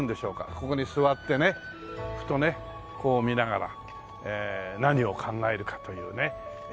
ここに座ってねふとねこう見ながら何を考えるかというね。